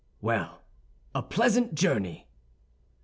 "Well, a pleasant journey."